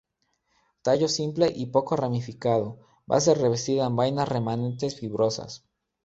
Tallo simple y poco ramificado, base revestida en vainas remanentes fibrosas.